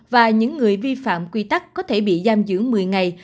và những người vi phạm quy tắc có thể bị giam giữ một mươi ngày